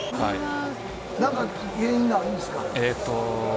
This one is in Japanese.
なんか原因があるんですか？